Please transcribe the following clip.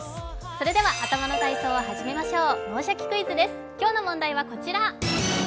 それでは頭の体操を始めましょう。